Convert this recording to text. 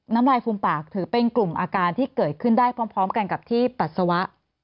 น้ำลายฟูมปากถือเป็นกลุ่มอาการที่เกิดขึ้นได้พร้อมกันกับที่ปัสสาวะ